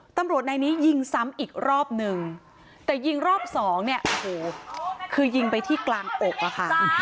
ตำรวจนายนี้ยิงซ้ำอีกรอบนึงแต่ยิงรอบ๒คือยิงไปที่กลางอก